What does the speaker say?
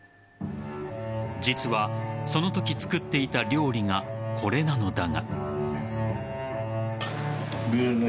実は、そのとき作っていた料理がこれなのだが。